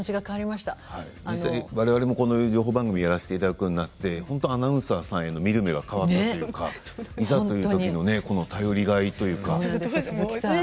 われわれも情報番組をやらせていただくようになってアナウンサーさんへの見る目が変わるというかいざというときの頼りがいというか。